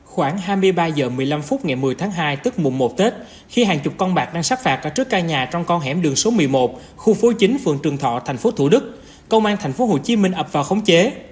khoảng hai mươi ba h một mươi năm phút ngày một mươi tháng hai tức mùa một tết khi hàng chục con bạc đang sát phạt ở trước ca nhà trong con hẻm đường số một mươi một khu phố chín phường trường thọ thành phố thủ đức công an thành phố hồ chí minh ập vào khống chế